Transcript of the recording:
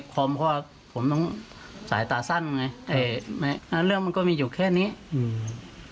คอมเพราะว่าผมต้องสายตาสั้นไงเอ่อไม่อ่าเรื่องมันก็มีอยู่แค่นี้อืม